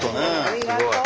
ありがとう。